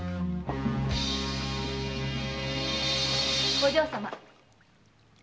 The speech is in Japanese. お嬢様。